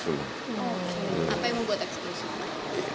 apa yang membuat eksklusif